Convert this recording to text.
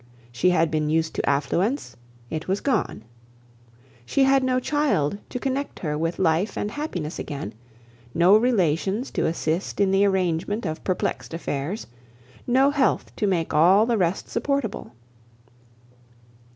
She had been used to affluence: it was gone. She had no child to connect her with life and happiness again, no relations to assist in the arrangement of perplexed affairs, no health to make all the rest supportable.